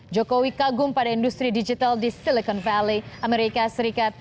jokowi kagum pada industri digital di silicon valley amerika serikat